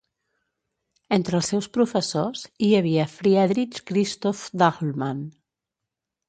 Entre els seus professors hi havia Friedrich Christoph Dahlmann.